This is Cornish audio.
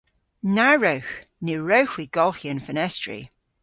Na wrewgh! Ny wrewgh hwi golghi an fenestri.